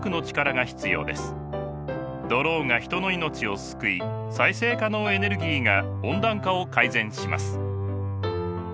ドローンが人の命を救い再生可能エネルギーが温暖化を改善します。